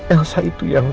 elsa itu yang